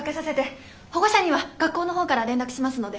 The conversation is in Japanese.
保護者には学校の方から連絡しますので。